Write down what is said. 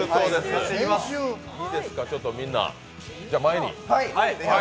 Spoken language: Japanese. いいですか、ちょっとみんな前に。